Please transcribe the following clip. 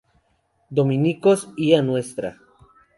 Dominicos, y a Ntra.